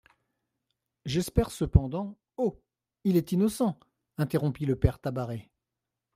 J'espère cependant … Oh ! il est innocent, interrompit le père Tabaret.